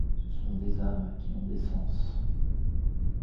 Ce sont des âmes qui ont des sens.